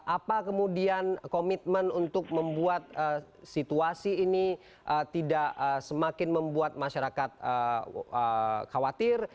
apa kemudian komitmen untuk membuat situasi ini tidak semakin membuat masyarakat khawatir